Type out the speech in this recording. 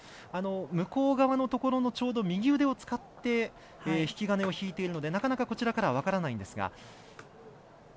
向こう側のところのちょうど右腕を使って引き金を引いているのでなかなか、こちらからは分からないんですが。